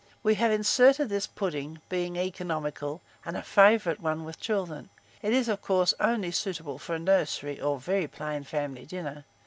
We have inserted this pudding, being economical, and a favourite one with children; it is, of course, only suitable for a nursery, or very plain family dinner.